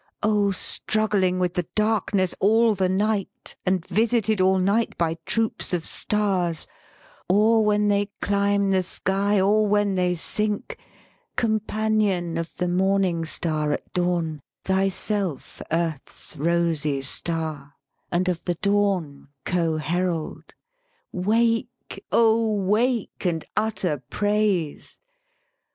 O struggling with the darkness all the night, And visited all night by troops of stars, Or when they climb the sky or when they sink; Companion of the morning star at dawn, Thyself Earth's rosy star, and of the dawn Co herald: wake, O wake, and utter praise!